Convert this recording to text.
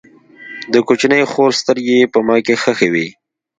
د کوچنۍ خور سترګې یې په ما کې خښې وې